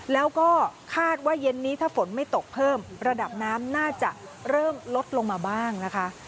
แล้วก็คาดว่าเย็นนี้ถ้าฝนไม่ตกเพิ่มระดับน้ำน่าจะเริ่มลดลงมาบ้างนะคะ